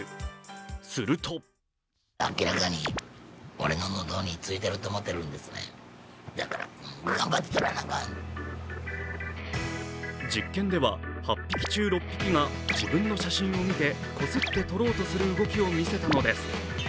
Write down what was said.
すると実験では８匹中６匹が自分の写真を見てこすって取ろうとする動きを見せたのです。